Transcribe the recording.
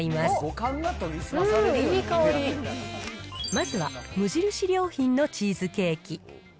まずは無印良品のチーズケーキ。